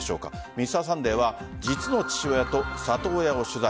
「Ｍｒ．サンデー」は実の父親と里親を取材。